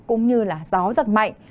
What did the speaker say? cũng như là gió giật mạnh